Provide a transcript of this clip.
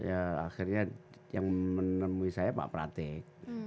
akhirnya yang menemui saya pak pratek